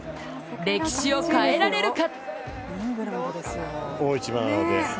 歴史を変えられるか。